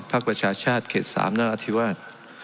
ภักดิ์ประชาชาติเขตสามนานอธิวาส